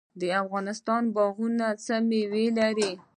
د افغانستان باغونه څه میوې لري؟